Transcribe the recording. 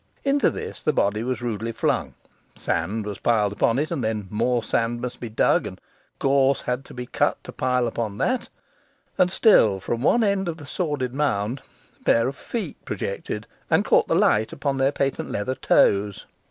Into this the body was rudely flung: sand was piled upon it, and then more sand must be dug, and gorse had to be cut to pile on that; and still from one end of the sordid mound a pair of feet projected and caught the light upon their patent leather toes.